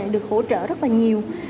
được hỗ trợ rất là nhiều